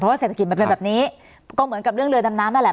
เศรษฐกิจมันเป็นแบบนี้ก็เหมือนกับเรื่องเรือดำน้ำนั่นแหละ